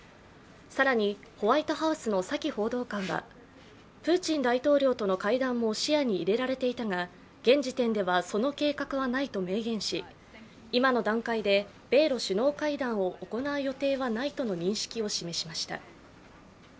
更にホワイトハウスのサキ報道官はプーチン大統領との会談も視野に入れられていたが現時点ではその計画はないと明言し、今の段階で米ロ首脳会談を行う予定はないとの認識を示しました。